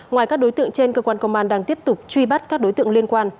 ngoài các đối tượng trên cơ quan công an đang tiếp tục truy bắt các đối tượng liên quan